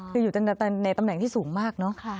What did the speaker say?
คืออยู่ในตำแหน่งที่สูงมากเนอะ